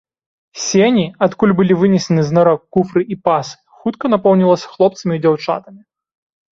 Сені, адкуль былі вынесены знарок куфры і пасы, хутка напоўніліся хлопцамі і дзяўчатамі.